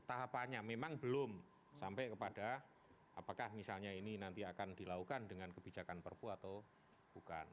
tahapannya memang belum sampai kepada apakah misalnya ini nanti akan dilakukan dengan kebijakan perpu atau bukan